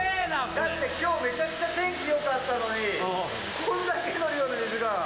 だって今日めちゃくちゃ天気良かったのにこんだけの量の水が。